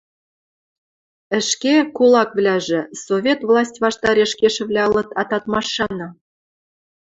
Ӹшке, кулаквлӓжы, Совет власть ваштареш кешывлӓ ылыт атат машаны